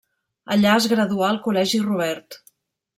Allà es graduà al Col·legi Robert.